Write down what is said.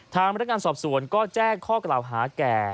ทางพนักงานสอบสวนก็แจ้งข้อกล่าวหาแก่